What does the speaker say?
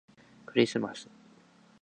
クリスマス